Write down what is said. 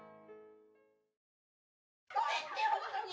ごめんって本当に！